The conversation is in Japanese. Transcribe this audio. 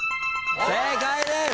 正解です。